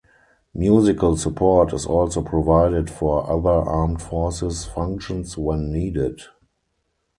Musical support is also provided for other armed forces functions when needed.